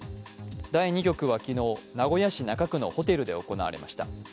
第２局は昨日、名古屋市中区のホテルで行われました。